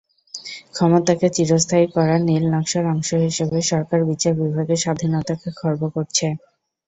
ক্ষমতাকে চিরস্থায়ী করার নীলনকশার অংশ হিসেবে সরকার বিচার বিভাগের স্বাধীনতাকে খর্ব করছে।